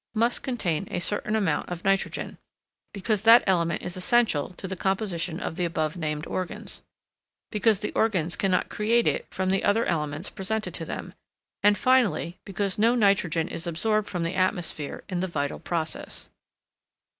must contain a certain amount of nitrogen, because that element is essential to the composition of the above named organs; because the organs cannot create it from the other elements presented to them; and, finally, because no nitrogen is absorbed from the atmosphere in the vital process.